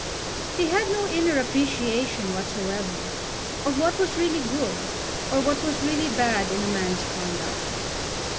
He had no inner appreciation whatsoever of what was really good or what was really bad in a man's conduct.